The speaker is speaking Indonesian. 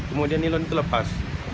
kemudian nilon itu lepas